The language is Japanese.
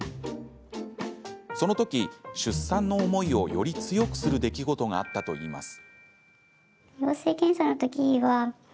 そのとき出産の思いをより強くする出来事があったといいます。